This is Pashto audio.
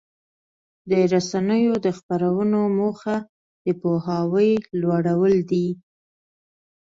د رسنیو د خپرونو موخه د پوهاوي لوړول دي.